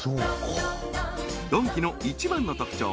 ドンキの一番の特徴